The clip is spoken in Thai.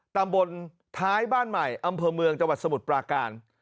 ตำบลท้ายบ้านใหม่อำเภอเมืองจังหวัดสมุทรปราการ